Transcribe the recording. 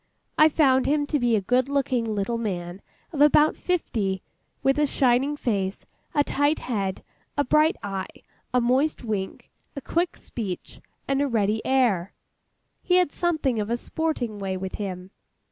I found him to be a good looking little man of about fifty, with a shining face, a tight head, a bright eye, a moist wink, a quick speech, and a ready air. He had something of a sporting way with him.